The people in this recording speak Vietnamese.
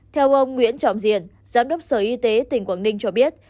theo ông nguyễn trọng diện giám đốc sở y tế tỉnh quảng ninh cho biết